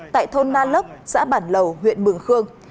tại thôn na lốc xã bản lầu huyện mường khương